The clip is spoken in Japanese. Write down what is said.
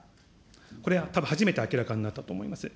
これはたぶん初めて明らかになったと思います。